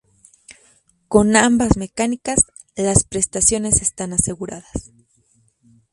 Con ambas mecánicas, las prestaciones están aseguradas.